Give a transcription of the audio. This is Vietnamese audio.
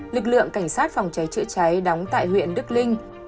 lực lượng cảnh sát phòng cháy chữa cháy đóng tại huyện đức linh